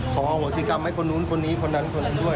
โหสิกรรมให้คนนู้นคนนี้คนนั้นคนนั้นด้วย